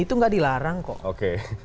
itu nggak dilarang kok